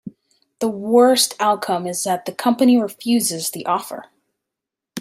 The worst outcome is that the company refuses the offer.